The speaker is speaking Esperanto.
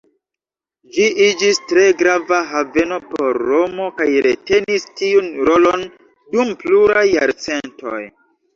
Ĝi iĝis tre grava haveno por Romo kaj retenis tiun rolon dum pluraj jarcentoj.